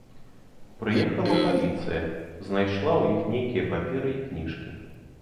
Прыехала паліцыя, знайшла ў іх нейкія паперы і кніжкі.